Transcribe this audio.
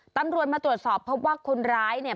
ตำรวจมาตรวจสอบพบว่าคนร้ายเนี่ย